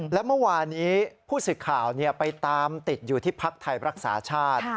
และเมื่อวานี้ผู้สื่อข่าวไปตามติดอยู่ที่พักไทยรักษาชาติ